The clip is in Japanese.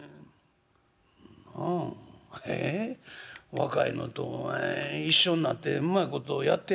若いのと一緒になってうまいことやってんねやろ？」。